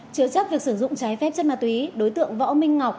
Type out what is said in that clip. chứa chấp việc sử dụng trái phép chất ma túy đối tượng võ minh ngọc